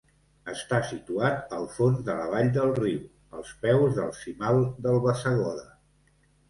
Està situat al fons de la vall del Riu, als peus del cimal del Bassegoda.